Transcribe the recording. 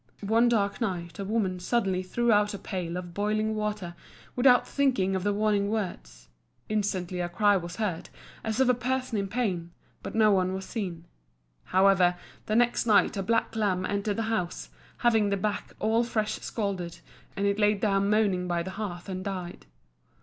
One dark night a woman suddenly threw out a pail of boiling water without thinking of the warning words. Instantly a cry was heard, as of a person in pain, but no one was seen. However, the next night a black lamb entered the house, having the back all fresh scalded, and it lay down moaning by the hearth and died.